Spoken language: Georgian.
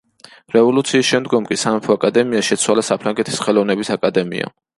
რევოლუციის შემდგომ კი სამეფო აკადემია შეცვალა საფრანგეთის ხელოვნების აკადემიამ.